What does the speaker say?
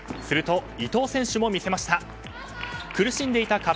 すると、伊藤選手も見せました。